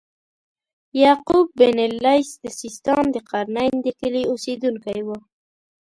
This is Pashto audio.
یعقوب بن اللیث د سیستان د قرنین د کلي اوسیدونکی و.